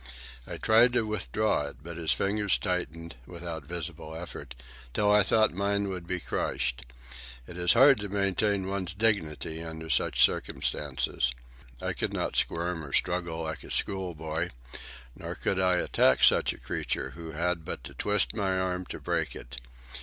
I tried to withdraw it, but his fingers tightened, without visible effort, till I thought mine would be crushed. It is hard to maintain one's dignity under such circumstances. I could not squirm or struggle like a schoolboy. Nor could I attack such a creature who had but to twist my arm to break it.